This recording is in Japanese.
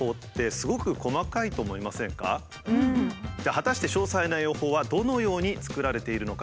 果たして詳細な予報はどのように作られているのか。